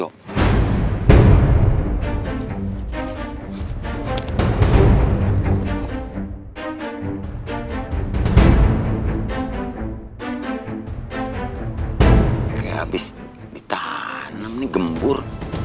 oke habis ditanam ini gembur